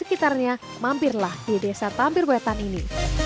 sekitarnya mampirlah di desa tampir wetan ini